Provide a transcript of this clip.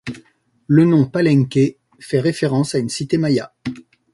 Le nom Palenque fait référence à une cité maya.